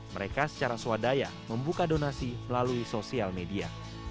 mereka secara swadaya membuka donasi melalui sosial media